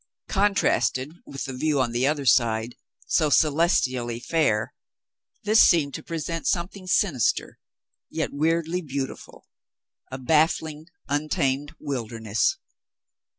Contrasted w ith the view^ on the other side, so celestially fair, this seemed to present something sinister, yet weirdly beautiful — a baffling, untamed wilderness.